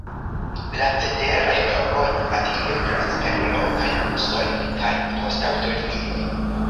La ceteraj lokoj atingeblas per lokaj busoj kaj poŝtaŭtolinioj.